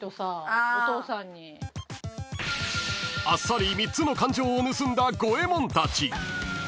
［あっさり３つの感情を盗んだ五えもんたち］